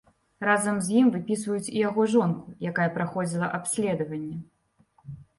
Разам з ім выпісваюць і яго жонку, якая праходзіла абследаванне.